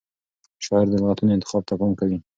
شاعر د لغتونو انتخاب ته پام کوي.